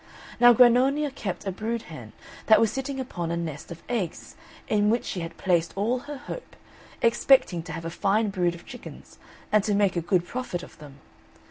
Now Grannonia kept a brood hen, that was sitting upon a nest of eggs, in which she placed all her hope, expecting to have a fine brood of chickens, and to make a good profit of them.